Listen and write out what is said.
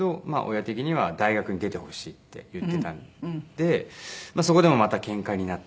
親的には大学出てほしいって言っていたんでそこでもまたケンカになって。